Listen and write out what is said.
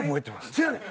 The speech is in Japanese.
せやねん。